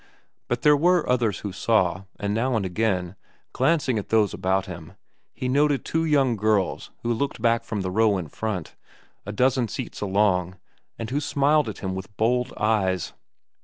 But there were others who saw, and now and again, glancing at those about him, he noted two young girls who looked back from the row in front, a dozen seats along, and who smiled at him with bold eyes.